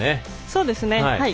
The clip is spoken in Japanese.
そうですね、はい。